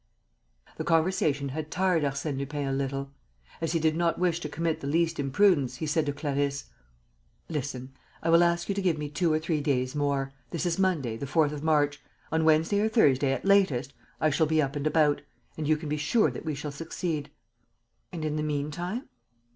The conversation had tired Arsène Lupin a little. As he did not wish to commit the least imprudence, he said to Clarisse: "Listen. I will ask you to give me two or three days more. This is Monday, the 4th of March. On Wednesday or Thursday, at latest, I shall be up and about. And you can be sure that we shall succeed." "And, in the meantime...."